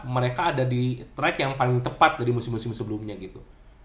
mereka ada di track yang paling tepat dari musim musim sebelumnya gitu